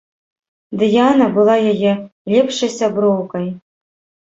Дыяна была яе лепшай сяброўкай.